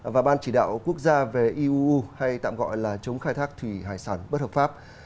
và ban chỉ đạo quốc gia về iuu hay tạm gọi là chống khai thác thủy hải sản bất hợp pháp